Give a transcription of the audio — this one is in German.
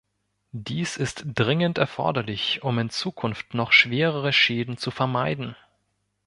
Dies ist dringend erforderlich, um in Zukunft noch schwerere Schäden zu vermeiden.